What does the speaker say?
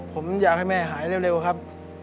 ผมอยากให้แม่หายเร็วครับ